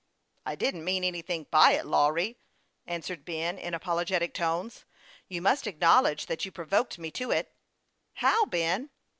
" I didn't mean anything by it, Lawry," answered Ben, in apologetic tones. " You must acknowledge that you provoked me to it." "How, Ben?"